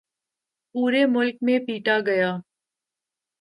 پورے ملک میں پیٹا گیا۔